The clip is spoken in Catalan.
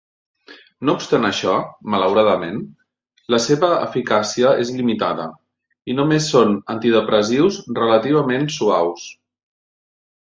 No obstant això, malauradament, la seva eficàcia és limitada i només són antidepressius relativament suaus.